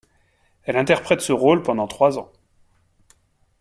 Elle interprète ce rôle pendant trois ans.